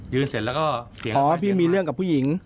ยืนเสร็จแล้วก็เห็นอ๋อพี่มีเรื่องกับผู้หญิง